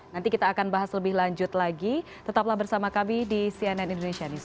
nanti kita akan bahas lebih lanjut lagi tetaplah bersama kami di cnn indonesia newsro